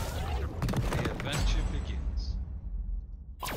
The adventure begins.